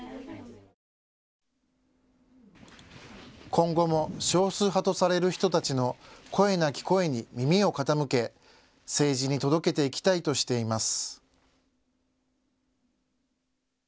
今後も少数派とされる人たちの声なき声に耳を傾け、政治に届けていきたいとしています。